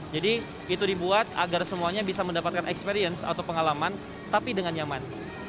jadi itu dibuat agar semuanya bisa mendapatkan experience atau pengalaman tapi dengan nyaman